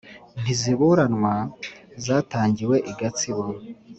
Ntiziburanwa zatangiwe i Gatsibo